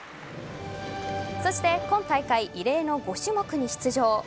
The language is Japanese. そして今大会異例の５種目に出場。